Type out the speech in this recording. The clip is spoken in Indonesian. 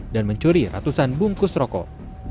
dan mencuri ratusan bungkus rokok